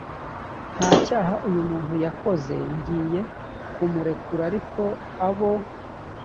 nta cyaha uyu muntu yakoze ngiye kumurekura ariko abo